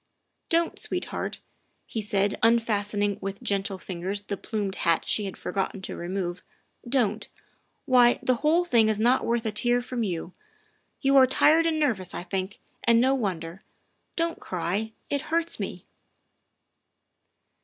'' Don 't, sweetheart, '' he said, unfastening with gentle fingers the plumed hat she had forgotten to remove, " don't. Why, the whole thing is not worth a tear from you. You are tired and nervous, I think, and no wonder. Don 't cry ; it hurts me.